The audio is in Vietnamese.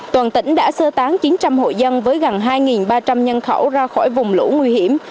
toàn tỉnh đã sơ tán chín trăm linh hội dân với gần hai ba trăm linh nhân khẩu ra khỏi vùng lũ nguy hiểm